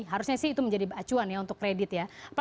harusnya sih itu menjadi acuan ya untuk kredit ya